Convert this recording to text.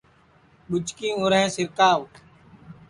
ٻُچکی اُرینٚھ سِرکاوَ